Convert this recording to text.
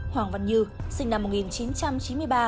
hoàng văn như sinh năm một nghìn chín trăm chín mươi ba